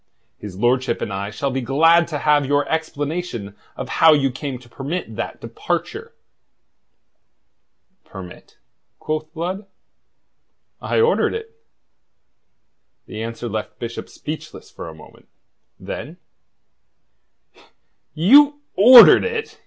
His lordship and I shall be glad to have your explanation of how you came to permit that departure." "Permit?" quoth Blood. "I ordered it." The answer left Bishop speechless for a moment. Then: "You ordered it?"